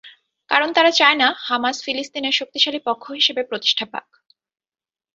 কারণ তারা চায় না, হামাস ফিলিস্তিনে শক্তিশালী পক্ষ হিসেবে প্রতিষ্ঠা পাক।